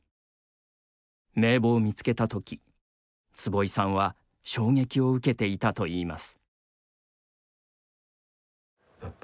名簿を見つけたとき、坪井さんは衝撃を受けていたといいます。